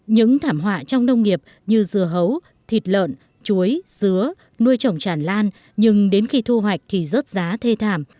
những thảm họa trong nông nghiệp như dừa hấu thịt lợn chuối dứa nuôi trồng tràn lan nhưng đến khi thu hoạch thì rớt giá thê thảm